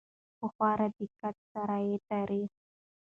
په خورا دقت سره يې تاريخ